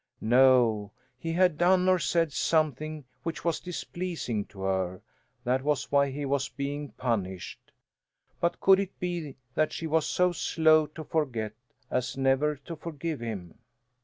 No. He had done or said something which was displeasing to her, that was why he was being punished. But could it be that she was so slow to forget as never to forgive him?